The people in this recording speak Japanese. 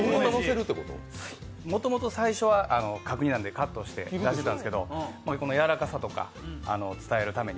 もともと最初は角煮なんでカットして出してたんですけど、やわらかさとか伝えるために。